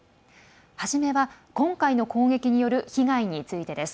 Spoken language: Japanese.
始めは、今回の攻撃による被害についてです。